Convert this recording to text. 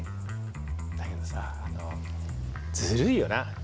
だけど、ずるいよな。